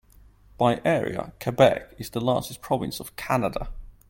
By area, Quebec is the largest province of Canada.